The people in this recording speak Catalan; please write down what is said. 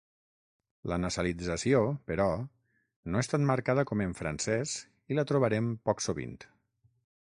La nasalització, però, no és tan marcada com en francès i la trobarem poc sovint.